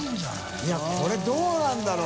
いやこれどうなんだろう？